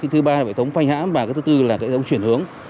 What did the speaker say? thứ ba là hệ thống phanh hãm và cái thứ tư là hệ thống chuyển hướng